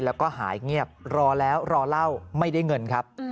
แล้วก็หายเงียบรอแล้วรอเล่าไม่ได้เงินครับ